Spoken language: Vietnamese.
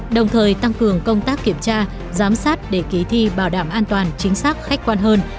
đồng thời tăng cường công tác kiểm tra giám sát để ký thi bảo đảm an toàn chính xác khách quan hơn